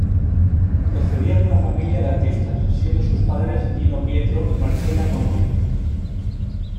Procedía de una familia de artistas, siendo sus padres Gino Pietro y Marcella Conti.